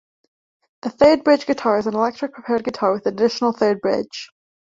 The third-bridge guitar is an electric prepared guitar with an additional, third bridge.